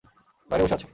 বাইরে বসে আছে।